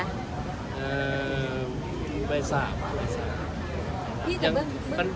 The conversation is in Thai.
เอ่อใบสาบ